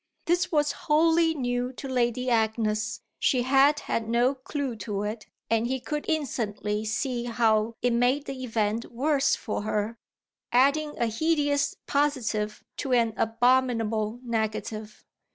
This was wholly new to Lady Agnes, she had had no clue to it, and he could instantly see how it made the event worse for her, adding a hideous positive to an abominable negative.